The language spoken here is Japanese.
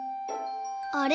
あれ？